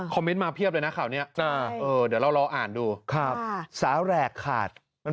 คอมเม้นมาเพียบเลยนะข่าวนี้เดี๋ยวเราอ่านดูสาวแหลกขาดมัน